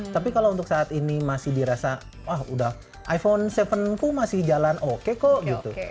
tapi kalau untuk saat ini masih dirasa wah udah iphone tujuhku masih jalan oke kok gitu